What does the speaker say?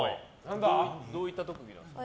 どういった特技なんですか？